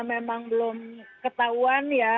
memang belum ketahuan ya